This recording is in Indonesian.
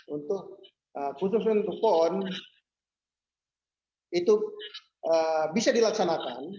untuk khusus untuk pon itu bisa dilaksanakan